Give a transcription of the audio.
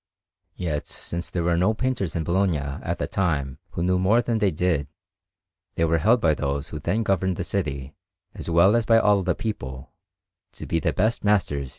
Yet, since there were no painters in Bologna at that time who knew more than they did, they were held by those who then governed the city, as well as by all the people, to be the best masters in Italy.